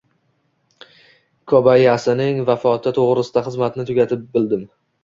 Kobayasining vafoti to`g`risida xizmatni tugatib bildim